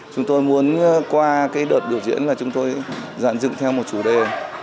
chúng tôi muốn qua đợt biểu diễn là chúng tôi dạng dựng theo một chủ đề